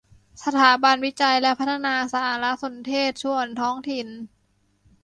สถาบันวิจัยและพัฒนาสารสนเทศส่วนท้องถิ่น